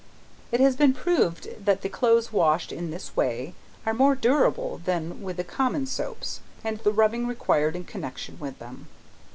It has been proved that the clothes washed in this way are more durable than with the common soaps, and the rubbing required in connection with them.